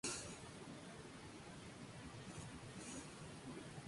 La institución depende del Ministerio de Cultura de Estonia.